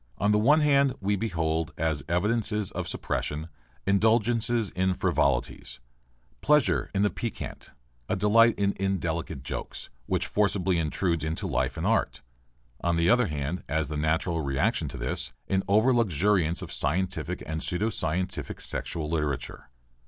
On the one hand, we behold, as evidences of suppression, indulgence in frivolities, pleasure in the piquant, a delight in indelicate jokes, which forcibly intrude into life and art; on the other hand, as the natural reaction to this, an over luxuriance of scientific and pseudo scientific sexual literature.